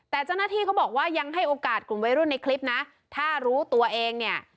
แต่เจ้าหน้าที่เขาบอกว่ายังให้โอกาสกลุ่มวัยรุ่นในคลิปนะถ้ารู้ตัวเองเนี่ย